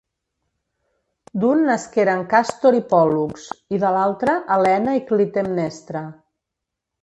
D'un nasqueren Càstor i Pòl·lux i de l'altre, Helena i Clitemnestra.